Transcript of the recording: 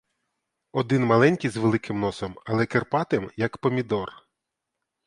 Один маленький з великим носом, але кирпатим, як помідор.